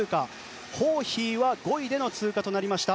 ホーヒーは５位での通過となりました。